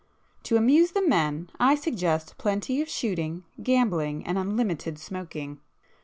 To amuse the men I suggest plenty of shooting, gambling, and unlimited smoking.